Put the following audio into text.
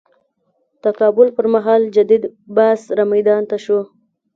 تقابل پر مهال تجدید بحث رامیدان ته شو.